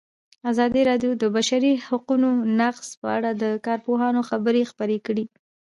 ازادي راډیو د د بشري حقونو نقض په اړه د کارپوهانو خبرې خپرې کړي.